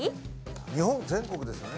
日本全国ですよね？